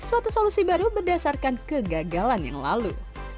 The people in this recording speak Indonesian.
suatu solusi baru berdasarkan kegagalan yang lalu